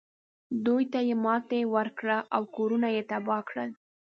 دوی ته یې ماتې ورکړه او کورونه یې تباه کړل.